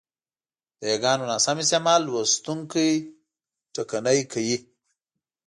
د یاګانو ناسم استعمال لوستوونکی ټکنی کوي،